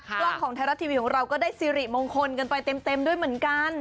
กล้องของไทยรัฐทีวีของเราก็ได้สิริมงคลกันไปเต็มด้วยเหมือนกัน